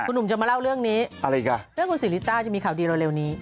คุณหนุ่มจะมาเล่าเรื่องนี้เรื่องคุณศิริต้าจะมีข่าวดีเร็วนี้